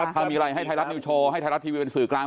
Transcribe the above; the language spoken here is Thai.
ถ้ามีอะไรให้ไทยรัฐนิวโชว์ให้ไทยรัฐทีวีเป็นสื่อกลาง